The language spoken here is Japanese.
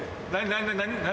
何？